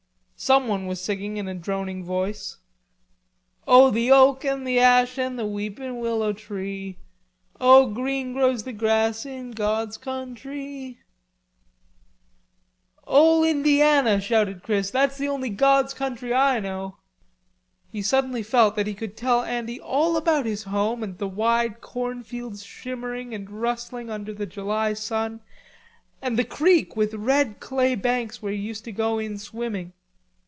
Someone was singing in a droning voice. "O the oak and the ash and the weeping willow tree, O green grows the grass in God's countree!" "Ole Indiana," shouted Chris. "That's the only God's country I know." He suddenly felt that he could tell Andy all about his home and the wide corn fields shimmering and rustling under the July sun, and the creek with red clay banks where he used to go in swimming.